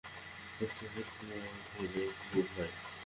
প্রত্যহ এক পোয়া খেলেই খুব হয়।